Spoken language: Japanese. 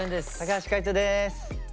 橋海人です。